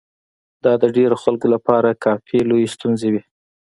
دا د ډېرو خلکو لپاره کافي لويې ستونزې وې.